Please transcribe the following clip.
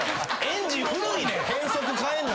エンジン古いねん。